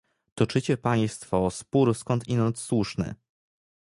Toczycie państwo spór skądinąd słuszny